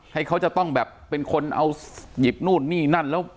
ให้เขาจะต้องแบบเป็นคนเอาหยิบนู่นนี่นั่นแล้ว